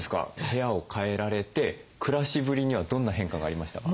部屋を変えられて暮らしぶりにはどんな変化がありましたか？